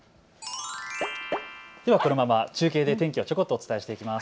ではこのまま中継で天気をちょこっとお伝えします。